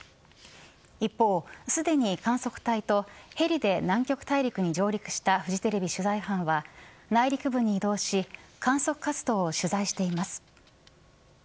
一方、すでに観測隊とヘリで南極大陸に上陸したフジテレビ取材班は内陸部に移動し観測活動を取材しています。